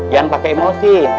jangan pakai emosi